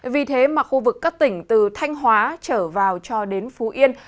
vì thế mà khu vực các tỉnh từ thanh hóa trở vào cho đến phú yên